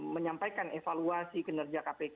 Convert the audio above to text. menyampaikan evaluasi kinerja kpk